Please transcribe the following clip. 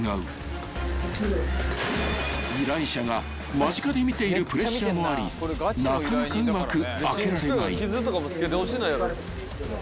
［依頼者が間近で見ているプレッシャーもありなかなかうまく開けられない］